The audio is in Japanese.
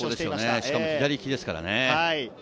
しかも、左ききですからね。